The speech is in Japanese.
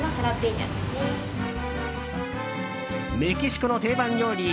メキシコの定番料理